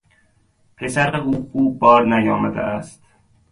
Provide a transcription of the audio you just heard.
پسر او خوب بار نیامده است.